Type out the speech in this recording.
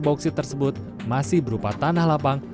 bauksit tersebut masih berupa tanah lapang